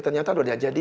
ternyata udah jadi